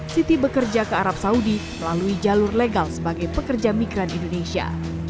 siti bekerja ke arab saudi melalui jalur legal sebagai pekerja migran indonesia